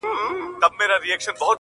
• نن د پايزېب په شرنگهار راته خبري کوه.